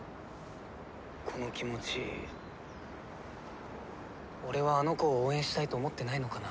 この気持ち俺はあの子を応援したいと思ってないのかな？